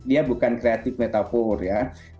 dia bukan kreatif metafor ya